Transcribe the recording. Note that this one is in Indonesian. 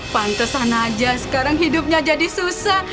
pantes sana aja sekarang hidupnya jadi susah